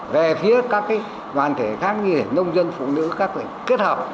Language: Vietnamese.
về phía các cái đoàn thể khác như nông dân phụ nữ các cái kết hợp